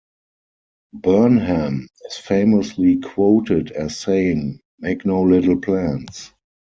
Burnham is famously quoted as saying, Make no little plans.